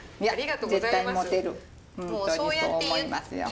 ありがとうございます。